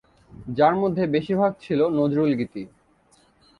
যার মধ্যে বেশিরভাগ ছিল নজরুল গীতি।